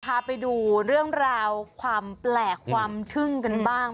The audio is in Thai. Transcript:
พาไปดูเรื่องราวความแปลกความทึ่งกันบ้าง